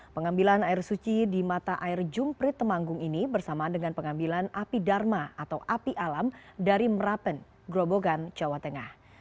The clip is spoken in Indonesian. pengambilan air suci di mata air jumprit temanggung ini bersamaan dengan pengambilan api dharma atau api alam dari merapen grobogan jawa tengah